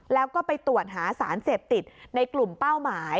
แล้วก็ไปตรวจหาสารเสพติดในกลุ่มเป้าหมาย